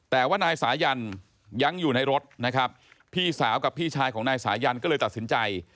แต่ว่านายสายันยังอยู่ในรถนะครับพี่สาวกับพี่ชายของนายสายันก็เลยตัดสินใจ